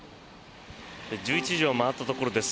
１１時を回ったところです。